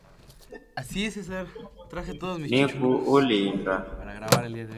Niku uli inda.